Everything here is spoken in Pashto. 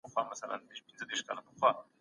هغوی د اقتصاد بنسټ کېښود.